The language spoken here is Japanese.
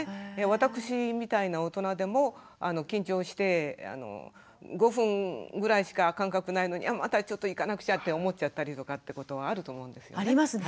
私みたいな大人でも緊張して５分ぐらいしか間隔ないのにまたちょっと行かなくちゃって思っちゃったりとかってことはあると思うんですよね。